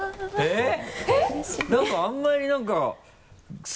えっ？